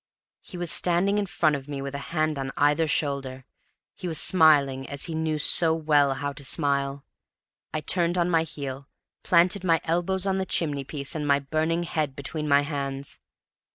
He was standing in front of me with a hand on either shoulder; he was smiling as he knew so well how to smile. I turned on my heel, planted my elbows on the chimney piece, and my burning head between my hands.